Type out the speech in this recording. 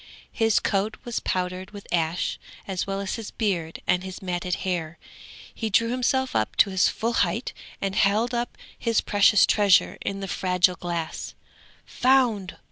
His coat was powdered with ash, as well as his beard and his matted hair. He drew himself up to his full height and held up his precious treasure, in the fragile glass: "Found!